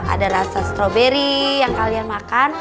ada rasa stroberi yang kalian makan